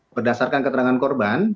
berdasarkan keterangan korban